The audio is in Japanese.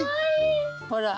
ほら。